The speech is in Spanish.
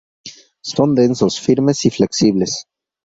Son densos, firmes y flexibles.